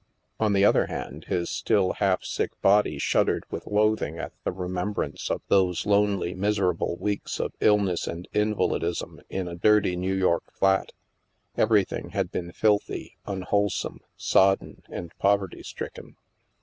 On the other hand, his still half sick body shud dered with loathing at the remembrance of those lonely miserable weeks of illness and invalidism in a dirty New York flat; everything had been filthy, unwholesome, sodden, and poverty stricken.